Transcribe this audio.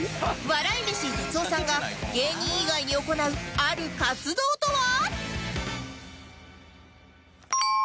笑い飯哲夫さんが芸人以外に行うある活動とは？